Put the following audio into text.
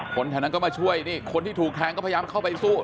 คนแถวนั้นก็มาช่วยนี่คนที่ถูกแทงก็พยายามเข้าไปสู้